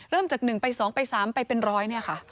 เริ่มจากหนึ่งไปสองไปสามไปเป็นร้อยเนี่ยค่ะ